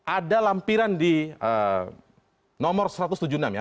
ada lampiran di nomor satu ratus tujuh puluh enam ya